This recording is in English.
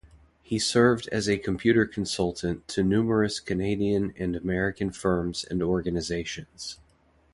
He served as a computer consultant to numerous Canadian and American firms and organizations.